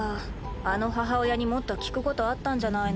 あの母親にもっと聞くことあったんじゃないの？